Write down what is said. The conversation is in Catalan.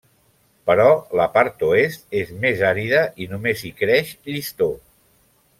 Però la part oest és més àrida i només hi creix llistó.